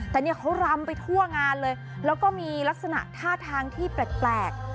แต่เนี่ยเขารำไปทั่วงานเลยแล้วก็มีลักษณะท่าทางที่แปลก